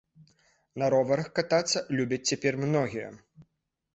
На роварах катацца любяць цяпер многія!